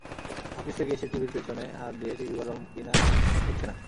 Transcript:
Office থেকে এসে টিভির পেছনে হাত দিয়ে টিভি গরম কিনা দেখছে না।